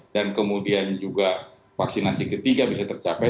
dan kemudian juga vaksinasi ketiga bisa tercapai